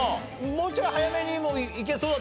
もうちょい早めにもいけそうだったけど。